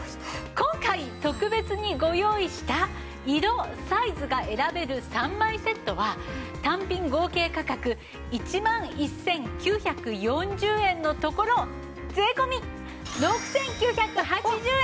今回特別にご用意した色・サイズが選べる３枚セットは単品合計価格１万１９４０円のところ税込６９８０円です！